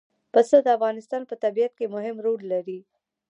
پسه د افغانستان په طبیعت کې مهم رول لري.